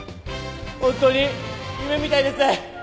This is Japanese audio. ホントに夢みたいです！